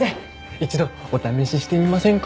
一度お試ししてみませんか？